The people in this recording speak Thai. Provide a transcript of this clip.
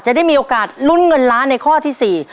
จะได้มีโอกาสลุ้นเงินล้านในข้อที่๔